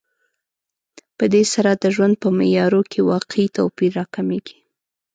په دې سره د ژوند په معیارونو کې واقعي توپیرونه راکمېږي